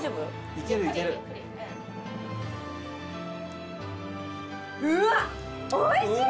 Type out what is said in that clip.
いけるいけるうわおいしい！